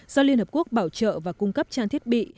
do liên hợp quốc bảo trợ và cung cấp trang thiết bị